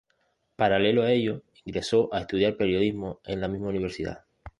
Paralelo a ello ingresó a estudiar periodismo en la misma universidad.